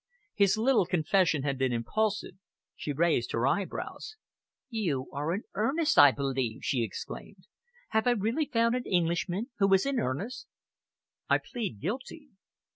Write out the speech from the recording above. His little confession had been impulsive. She raised her eyebrows. "You are in earnest, I believe!" she exclaimed. "Have I really found an Englishman who is in earnest?" "I plead guilty.